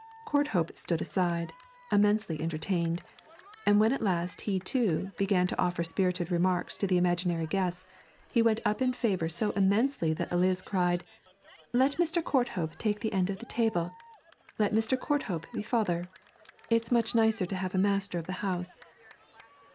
Courthope stood aside, immensely entertained, and when at last he too began to offer spirited remarks to the imaginary guests, he went up in favour so immensely that Eliz cried, 'Let Mr. Courthope take the end of the table. Let Mr. Courthope be father. It's much nicer to have a master of the house.'